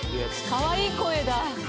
かわいい声だ。